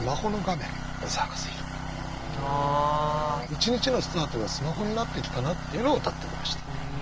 一日のスタートがスマホになってきたなっていうのをうたってみました。